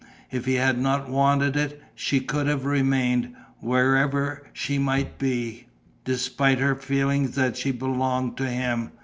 If he had not wanted it, she could have remained, wherever she might be, despite her feeling that she belonged to him.